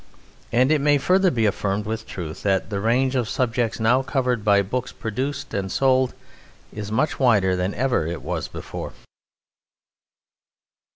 And it may further be affirmed with truth that the range of subjects now covered by books produced and sold is much wider than ever it was before.